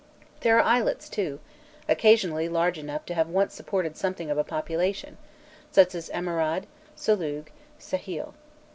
There are islets too, occasionally large enough to have once supported something of a population, such as Amerade, Salûg, Sehêl.